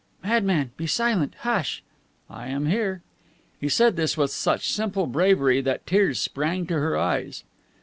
"Madman, be silent! Hush!" "I am here." He said this with such simple bravery that tears sprang to her eyes.